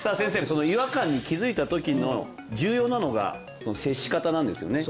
その違和感に気づいた時の重要なのが接し方なんですよね？